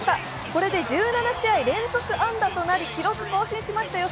これで１７試合連続安打ということで記録更新しましたよ